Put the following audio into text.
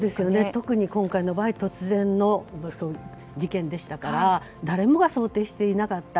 特に今回は突然の事件でしたから誰もが想定していなかった。